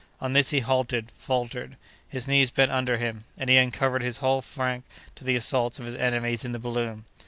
On this he halted, faltered, his knees bent under him, and he uncovered his whole flank to the assaults of his enemies in the balloon.